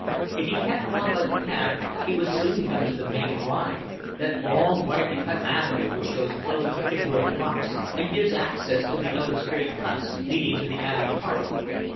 If he kept on by the path he would soon come to the main ride, that long widely cut avenue which goes close to Kibworth Rocks and gives access to the other straight cuts leading to the Abbey park.